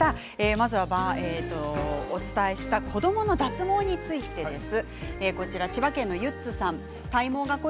まずは、お伝えした子どもの脱毛についてです。